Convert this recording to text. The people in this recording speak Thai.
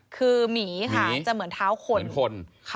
คือหมีค่ะจะเหมือนเท้าคน